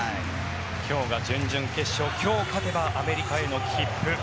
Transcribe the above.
今日が準々決勝今日勝てばアメリカへの切符。